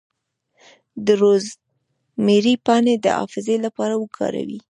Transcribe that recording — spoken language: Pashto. د روزمیری پاڼې د حافظې لپاره وکاروئ